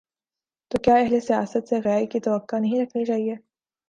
تو کیا اہل سیاست سے خیر کی توقع نہیں رکھنی چاہیے؟